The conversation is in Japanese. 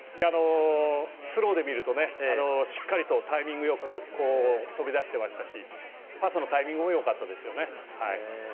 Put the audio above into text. スローで見るとしっかりとタイミングよく飛び出していましたしパスのタイミングもよかったです。